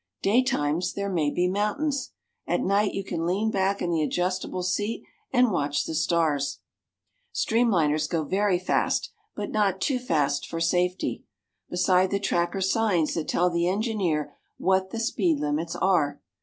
Daytimes there may be mountains. At night, you can lean back in the adjustable seat and watch the stars. Streamliners go very fast, but not too fast for safety. Beside the track are signs that tell the engineer what the speed limits are.